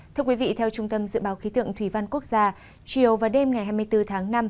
thưa quý vị theo trung tâm dự báo khí tượng thủy văn quốc gia chiều và đêm ngày hai mươi bốn tháng năm